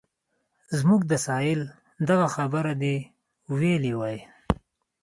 زموږ د سایل دغه خبره دې ویلې وای.